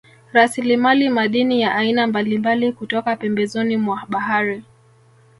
Rasilimali madini ya aina mbalimbali kutoka pembezoni mwa bahari